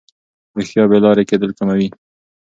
رښتیا بې لارې کېدل کموي.